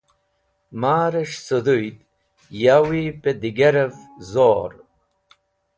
Marẽs̃h sẽdhũyd yawi pẽ digarẽv zor.